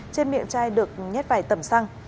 trên miệng chai được nhét vài tầm xăng